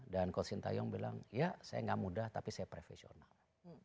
dan coach sinta young bilang ya saya tidak mudah tapi saya profesional